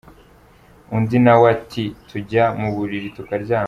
Undi nawe ati “Tujya mu buriri tukaryama.